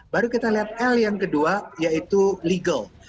baru kita lihat l yang kedua yaitu legal